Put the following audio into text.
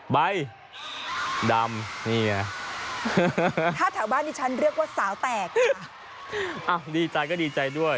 ใบดำนี่ไงถ้าแถวบ้านดิฉันเรียกว่าสาวแตกดีใจก็ดีใจด้วย